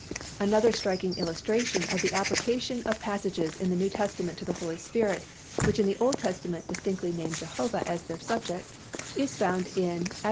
Another striking illustration of the application of passages in the New Testament to the Holy Spirit which in the Old Testament distinctly name Jehovah as their subject is found in Ex.